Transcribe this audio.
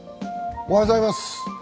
おはようございます。